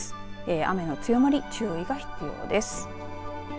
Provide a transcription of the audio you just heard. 雨の強まり注意が必要です。